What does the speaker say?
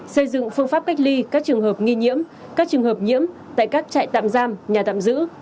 xây dựng phương pháp cách ly các trường hợp nghi nhiễm các trường hợp nhiễm tại các trại tạm giam nhà tạm giữ